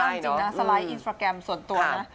คือเมื่อวานนั่นจริงนะสไลด์อินสตราแกรมส่วนตัวนะ